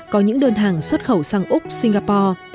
có những đơn hàng xuất khẩu sang úc singapore